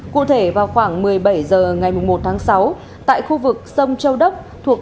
cụ thể vào khoảng một mươi bảy h ngày một tháng sáu tại khu vực sông châu đốc thuộc